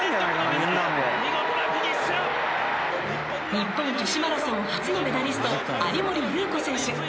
日本女子マラソン初のメダリスト有森裕子選手。